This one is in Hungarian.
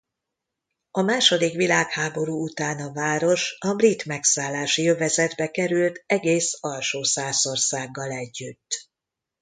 A második világháború után a város a brit megszállási övezetbe került egész Alsó-Szászországgal együtt.